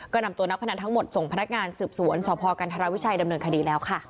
ก็นำตัวนักพนันทั้งหมดส่งพนักงานสืบสวนสพกันธรวิชัยดำเนินคดีแล้วค่ะ